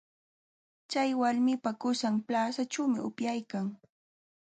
Chay walmipa qusan plazaćhuumi upyaykan.